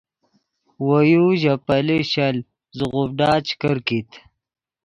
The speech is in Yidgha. وو یو ژے پیلے شل زوغوڤڈا چے کرکیت